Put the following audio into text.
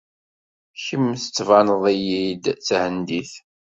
Kemm tettbaneḍ-iyi-d d Tahendit.